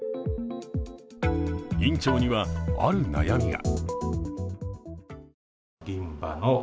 院長には、ある悩みが。